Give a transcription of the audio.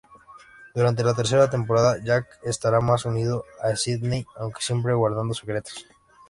Durante la tercera temporada, Jack estará más unido a Sydney aunque siempre guardando secretos.